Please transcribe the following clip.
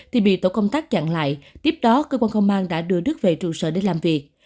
thì bị tổ công tác chặn lại tiếp đó cơ quan công an đã đưa đức về trụ sở để làm việc